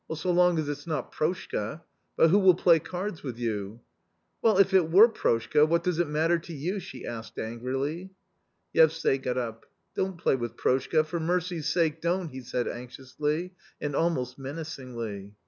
" So long as it's not Proshka. But who will play cards with you ?"" Well, if it were Proshka, what does it matter to you ?" she asked angrily. Yevsay got up. " Don't play with Proshka, for mercy's sake, don't," he said anxiously, and almost menacingly.